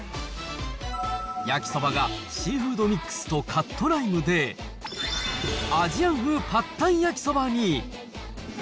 焼きそばがシーフードミックスとカットライムで、アジアン風パッタイ焼きそばに。